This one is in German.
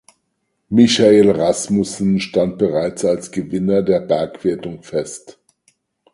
Michael Rasmussen stand bereits als Gewinner der Bergwertung fest.